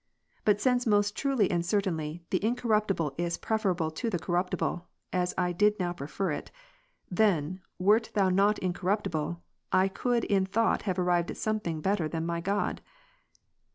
But since most truly and certainly, the incorruptible is preferable to the corruptible, (as I did now prefer it,) then, wert Thou not incorruptible, I could in thought have arrived at something better than my God.